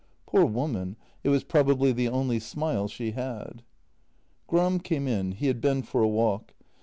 Poor woman, it was probably the only smile she had. Gram came in; he had been for a walk.